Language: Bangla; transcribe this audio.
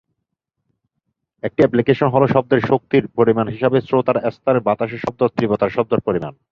একটি অ্যাপ্লিকেশন হ'ল শব্দের শক্তির পরিমাণ হিসাবে শ্রোতার স্থানে বাতাসে শব্দ তীব্রতার শব্দ পরিমাপ।